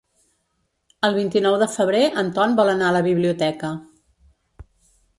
El vint-i-nou de febrer en Ton vol anar a la biblioteca.